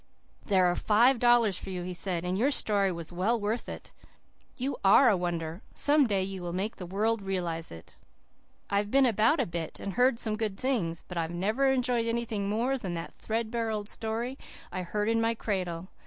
"There are five dollars for you," he said, "and your story was well worth it. You ARE a wonder. Some day you will make the world realize it. I've been about a bit, and heard some good things, but I've never enjoyed anything more than that threadbare old story I heard in my cradle.